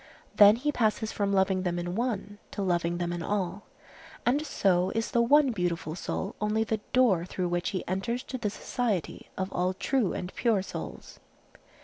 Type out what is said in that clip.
Then he passes from loving them in one to loving them in all, and so is the one beautiful soul only the door through which he enters to the society of all true and pure souls.